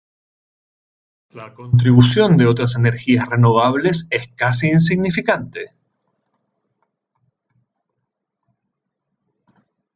La contribución de otras energías renovables es casi insignificante.